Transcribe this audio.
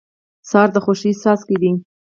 سهار د خوښۍ څاڅکي دي.